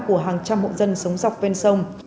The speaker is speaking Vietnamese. của hàng trăm hộ dân sống sống